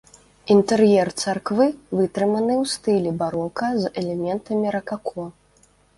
Інтэр'ер царквы вытрыманы ў стылі барока з элементамі ракако.